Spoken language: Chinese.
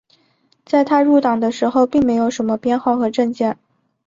在他入党的时候并没有什么编号和证件。